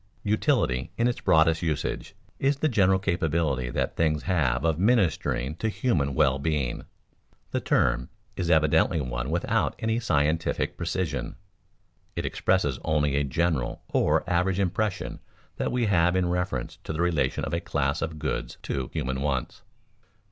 Utility, in its broadest usage, is the general capability that things have of ministering to human well being. The term is evidently one without any scientific precision. It expresses only a general or average impression that we have in reference to the relation of a class of goods to human wants.